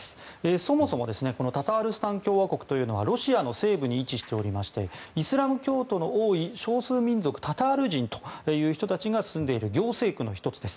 そもそもタタールスタン共和国というのはロシアの西部に位置しておりましてイスラム教徒の多い少数民族タタール人という人たちが住んでいる行政区の１つです。